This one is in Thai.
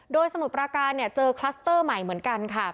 โดยสมุทรประการเจอคลัสเตอร์ใหม่เหมือนกันค่ะ